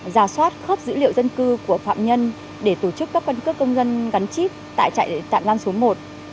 giả soát khớp dữ liệu dân cư của phạm nhân để tổ chức cấp căn cước công dân gắn chip tại trại tạm lan số một